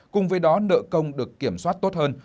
cùng với đó nợ công được kiểm soát tốt hơn